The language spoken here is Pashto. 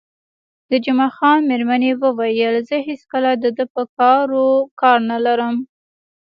د جمعه خان میرمنې وویل: زه هېڅکله د ده په کارو کار نه لرم.